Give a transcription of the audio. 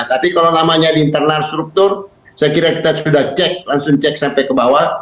tapi kalau namanya di internal struktur saya kira kita sudah cek langsung cek sampai ke bawah